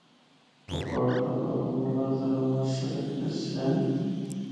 کپواڑا تے بارہمولہ ضلع مشرق بچ ہن۔